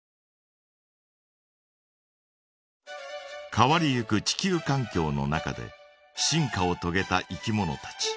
変わりゆく地球かん境の中で進化をとげたいきものたち。